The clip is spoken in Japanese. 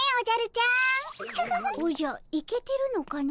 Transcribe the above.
おじゃイケてるのかの？